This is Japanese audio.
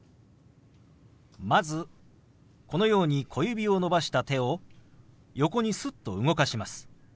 まずこのように小指を伸ばした手を横にすっと動かします。